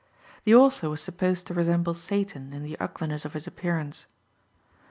The author was supposed to resemble Satan in the ugliness of his appearance.